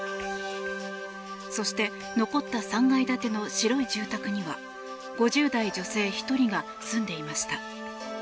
そして残った３階建ての白い住宅には５０代女性１人が住んでいました。